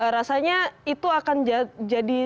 rasanya itu akan jadi